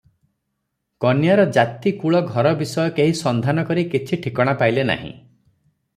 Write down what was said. କନ୍ୟାର ଜାତି କୁଳ ଘର ବିଷୟ କେହି ସନ୍ଧାନ କରି କିଛି ଠିକଣା ପାଇଲେ ନାହିଁ ।